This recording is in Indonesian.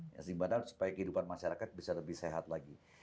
sehingga supaya kehidupan masyarakat bisa lebih sehat lagi